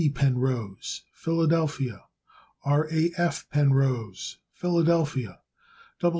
B. Penrose, Philadelphia, Pa. R. A. F. Penrose, Philadelphia, Pa.